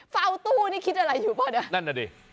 เฝ้าตู้นี่คิดอะไรอยู่ป่ะเนี่ย